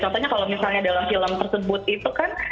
contohnya kalau misalnya dalam film tersebut itu kan